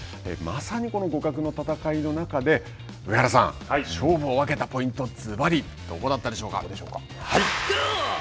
まさに互角の戦いの中で上原さん、勝負を分けたポイントずばり、どこだったでしょうか。